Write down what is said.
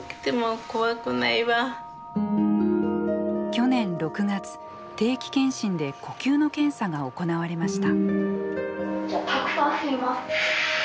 去年６月定期検診で呼吸の検査が行われました。